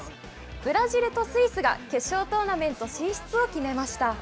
ブラジルとスイスが決勝トーナメント進出を決めました。